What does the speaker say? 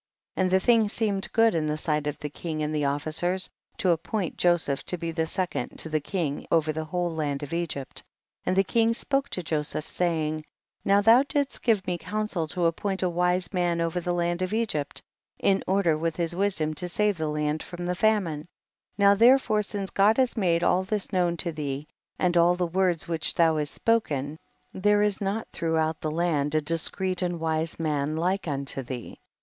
19. And the thing seemed good in the sight of the king and the officers, to appoint Joseph to be second to the king over the whole land of Egypt, and the king spoke to Joseph, say ing' 20. Now thou didst give me coun sel to appoint a wise man over the land of Egypt, in order with his wis dom to save the land from the famine ; now therefore, since God has made all this known to thee, and all the words which thou hast spoken, there THE BOOK OF JASHER 155 is not throughout the land a discreet and wise man Hke unto thee.